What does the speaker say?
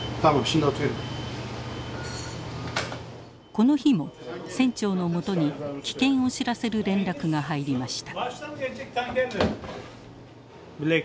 この日も船長のもとに危険を知らせる連絡が入りました。